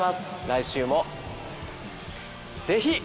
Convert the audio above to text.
来週もぜひ。